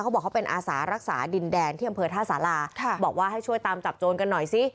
เขาบอกเขาเป็นอาสารักษาดินแดนที่อำเภอท่าสาราบอกว่าให้ช่วยตามจับโจรกันหน่อยสิ